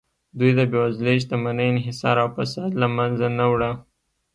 دوی د بېوزلۍ، شتمنۍ انحصار او فساد له منځه نه وړه